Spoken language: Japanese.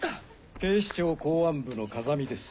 警視庁公安部の風見です